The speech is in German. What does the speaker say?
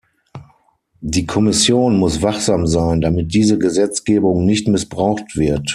Die Kommission muss wachsam sein, damit diese Gesetzgebung nicht missbraucht wird.